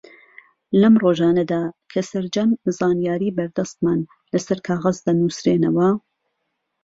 لەم ڕۆژانەدا کە سەرجەم زانیاری بەردەستمان لەسەر کاغەز دەنووسرێنەوە